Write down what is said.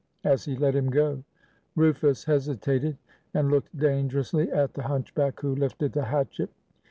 as he let him go. Rufus hesitated, and looked dangerously at the hunchback, who lifted the hatchet.